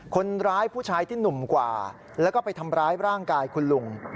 คนร้ายผู้ชายที่หนุ่มกว่าแล้วก็ไปทำร้ายร่างกายคุณลุง